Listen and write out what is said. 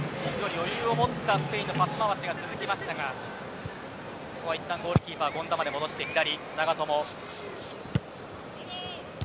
余裕を持ったスペインのパス回しが続きましたがいったんゴールキーパーの権田に戻しました。